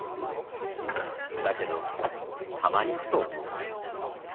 だけどたまにふと思う